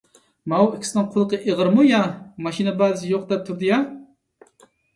ماۋۇ ئىككىسىنىڭ قۇلىقى ئېغىرمۇ يا؟ ماشىنا بار دېسە يوق دەپ تۇرىدۇ-يا.